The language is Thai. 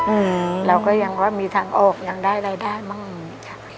อืมเราก็ยังว่ามีทางออกยังได้รายได้มั่งค่ะ